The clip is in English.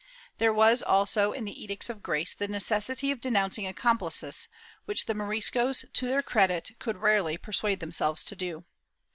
^ There was also, in the Edicts of Grace, the necessity of denounc ing accomplices, which the Moriscos, to their credit, could rarely persuade themselves to do.